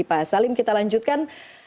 pak salim kita lanjutkan